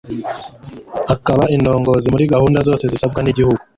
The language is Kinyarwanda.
ikaba indongozi muri gahunda zose zisabwa n'igihugu